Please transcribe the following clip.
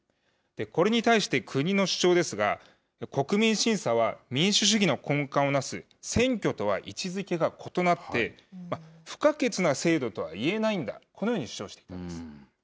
これに対して国の主張ですが、国民審査は、民主主義の根幹をなす、選挙とは位置づけが異なって、不可欠な制度とはいえないんだ、このように主張しています。